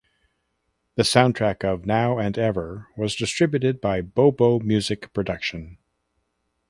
The soundtrack of "Now and Ever" was distributed by Bo Bo Music Production.